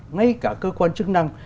ngay cả cơ quan chức năng